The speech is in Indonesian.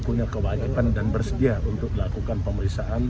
punya kewajiban dan bersedia untuk melakukan pemeriksaan